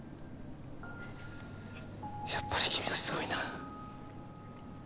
やっぱり君はすごいな